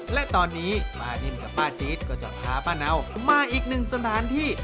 และตอนนี้ป้านิ่มกับป้าจี๊ดก็จะพาป้าเนามาอีกหนึ่งสถานที่